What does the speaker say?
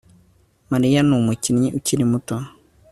Mariya numukinyi ukiri muto